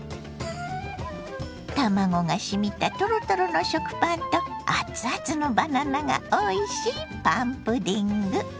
卵がしみたトロトロの食パンとあつあつのバナナがおいしいパンプディング。